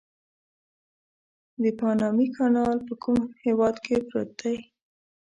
د پانامي کانال په کوم هېواد کې پروت دی؟